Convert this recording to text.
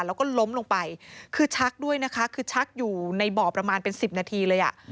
แล้วก็ล้มลงไปคือชักด้วยนะคะคือชักอยู่ในบ่อประมาณเป็น๑๐นาทีเลยอ่ะ